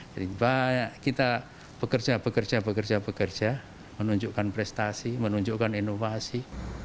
jadi banyak kita bekerja bekerja bekerja menunjukkan prestasi menunjukkan inovasi